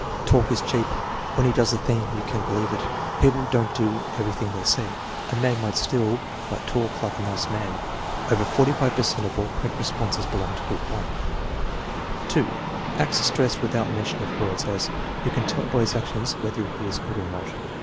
"Talk is cheap; when he does a thing you can believe it." "People don't do everything they say." "A man might steal but talk like a nice man." Over 45 per cent of all correct re sponses belong to group (1). (2) Acts stressed without mention of words; as: "You can tell by his actions whether he is good or not."